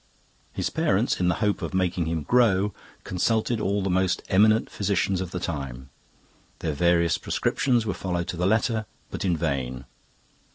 His parents, in the hope of making him grow, consulted all the most eminent physicians of the time. Their various prescriptions were followed to the letter, but in vain.